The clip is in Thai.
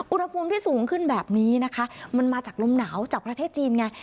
อุณหภูมิที่สูงขึ้นแบบนี้นะคะมันมาจากลมหนาวจากประเทศจีนไง